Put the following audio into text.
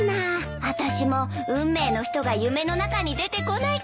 あたしも運命の人が夢の中に出てこないかなあ。